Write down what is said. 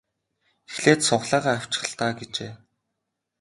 Эхлээд сугалаагаа авчих л даа гэжээ.